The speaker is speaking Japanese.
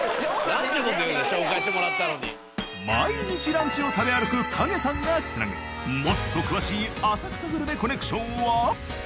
毎日ランチを食べ歩くＫａｇｅさんが繋ぐもっと詳しい浅草グルメコネクションは？